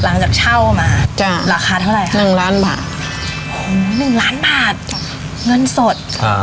หลังจากเช่ามาจ้ะราคาเท่าไหร่ค่ะหนึ่งล้านบาทโอ้โหหนึ่งล้านบาทเงินสดอ่า